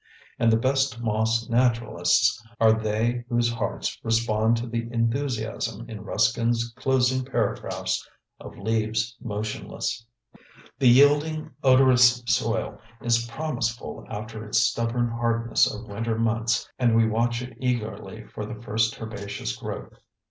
And the best moss naturalists are they whose hearts respond to the enthusiasm in Ruskin's closing paragraphs of Leaves Motionless. The yielding odorous soil is promiseful after its stubborn hardness of winter months and we watch it eagerly for the first herbaceous growth.